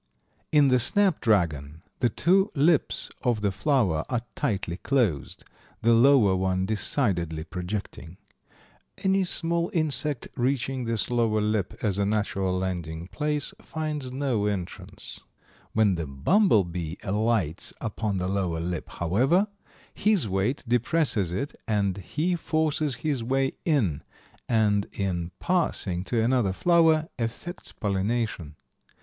In the snapdragon the two lips of the flower are tightly closed, the lower one decidedly projecting. Any small insect reaching this lower lip as a natural landing place finds no entrance. When the bumble bee alights upon the lower lip, however, his weight depresses it and he forces his way in, and in passing to another flower effects pollination.